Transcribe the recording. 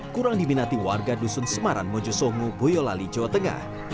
kurang diminati warga dusun semaran mojoso mu boyolali jawa tengah